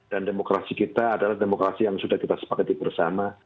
dan demokrasi kita adalah demokrasi yang sudah kita sepaketi bersama